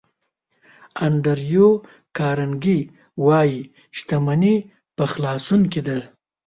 انډریو کارنګي وایي شتمني په خلاصون کې ده.